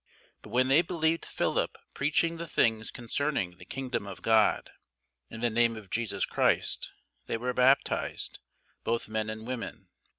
But when they believed Philip preaching the things concerning the kingdom of God, and the name of Jesus Christ, they were baptized, both men and women.